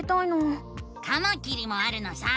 カマキリもあるのさ！